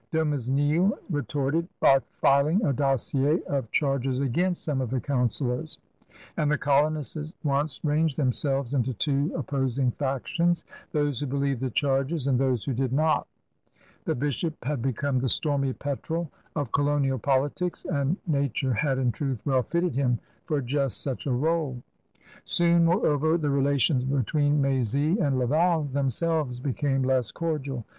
Dumesnil retorted by filing a dossier of charges against some of the councilors; and the colonists at once ranged themselves into two op posing factions — those who believed the charges and those who did not. The bishop had become the stormy petrel of colonial politics, and nature had in truth well fitted him for just such a rdle. Soon, moreover, the relations between M6zy and Laval themselves became less cordial.